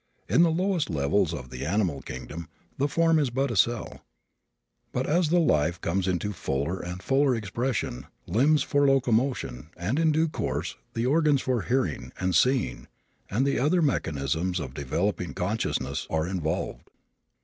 In the lowest levels of the animal kingdom the form is but a cell. But as the life comes into fuller and fuller expression, limbs for locomotion and, in due course, the organs for hearing, and seeing, and the other mechanism of the developing consciousness, are evolved.